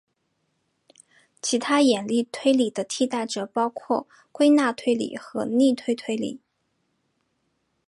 其他演绎推理的替代者包括归纳推理和逆推推理。